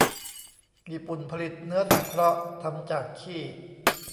ญี่ปุ่นผลิตเนื้อสังเคราะห์ ทำจากขี้